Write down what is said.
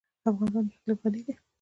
افغانستان په اقلیم غني دی.